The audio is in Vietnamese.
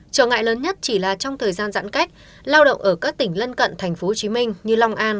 trở ngại lớn nhất chỉ là trong thời gian giãn cách lao động ở các tỉnh lân cận tp hcm như long an